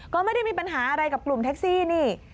ก็ไม่ได้มีปัญหาอะไรกับกลุ่มแท็กซี่นี่